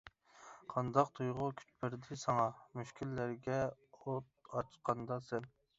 قانداق تۇيغۇ كۈچ بەردى ساڭا؟ مۈشكۈللەرگە ئوت ئاچقاندا سەن.